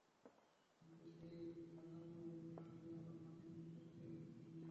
কিন্তু সেই ভাঙা মনোবল নিয়ে আজই আবার মাঠে নেমে পড়তে হচ্ছে ইংল্যান্ডকে।